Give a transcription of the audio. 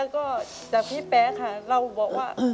ก็จากพี่แป๊ค่ะเราบอกว่า